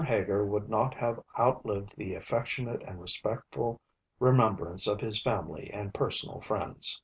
Heger would not have outlived the affectionate and respectful remembrance of his family and personal friends.